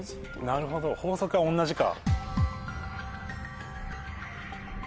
なるほど法則は同じか。